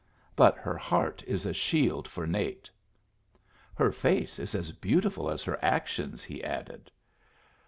But her heart is a shield for Nate." "Her face is as beautiful as her actions," he added.